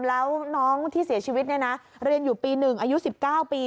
แล้วน้องที่เสียชีวิตเรียนอยู่ปี๑อายุ๑๙ปี